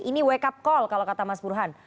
ini wake up call kalau kata mas burhan